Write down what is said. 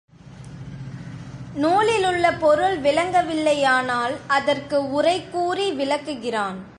நூலிலுள்ள பொருள் விளங்க வில்லையானால் அதற்கு உரை கூறி விளக்குகிறான்.